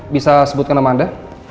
bisa sebutkan nama anda